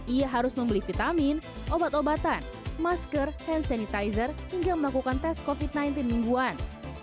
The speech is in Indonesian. ia harus membeli vitamin obat obatan masker hand sanitizer hingga melakukan tes covid sembilan belas mingguan